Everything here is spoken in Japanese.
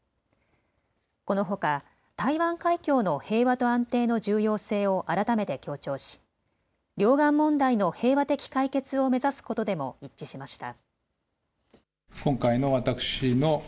このほか台湾海峡の平和と安定の重要性を改めて強調し両岸問題の平和的解決を目指すことでも一致しました。